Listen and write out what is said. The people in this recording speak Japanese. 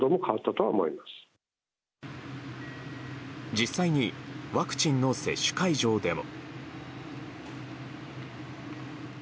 実際にワクチンの接種会場でも。